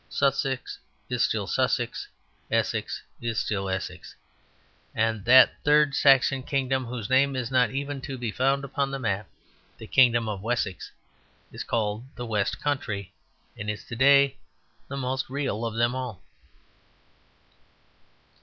Sussex is still Sussex; Essex is still Essex. And that third Saxon kingdom whose name is not even to be found upon the map, the kingdom of Wessex, is called the West Country and is to day the most real of them all.